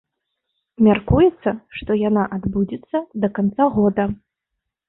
Мяркуецца, што яна адбудзецца да канца года.